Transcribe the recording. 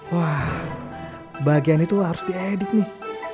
wah bagian itu harus diedik nih